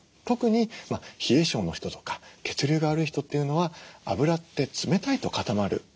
特に冷え症の人とか血流が悪い人っていうのは脂って冷たいと固まる。